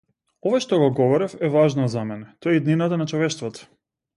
Ова што го говорев е важно за мене - тоа е иднината на човештвото.